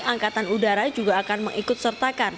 angkatan udara juga akan mengikut sertakan